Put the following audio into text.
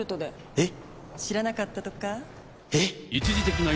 えっ⁉